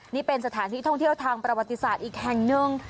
นี่เป็นสถานที่ท่องเที่ยวทางประวัติศาสตร์อีกแห่งหนึ่ง